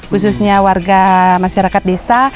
khususnya warga masyarakat desa